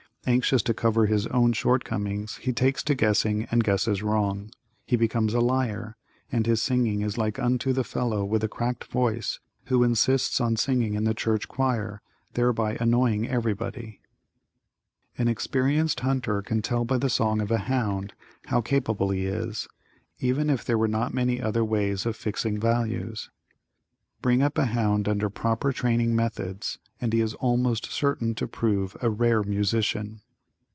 Anxious to cover his own shortcomings, he takes to guessing and guesses wrong. He becomes a liar, and his singing is like unto the fellow with a cracked voice who insists on singing in the church choir, thereby annoying everybody. An experienced hunter can tell by the song of a hound how capable he is, even if there were not many other ways of fixing values. Bring up a hound under proper training methods, and he is almost certain to prove a rare musician.